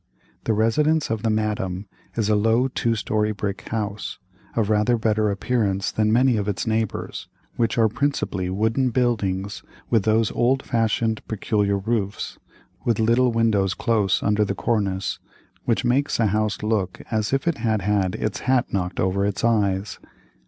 The residence of the Madame is a low two story brick house, of rather better appearance than many of its neighbors, which are principally wooden buildings with those old fashioned peculiar roofs, with little windows close under the cornice, which make a house look as if it had had its hat knocked over its eyes.